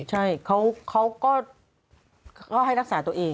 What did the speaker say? ใช่เขาก็ให้รักษาตัวเอง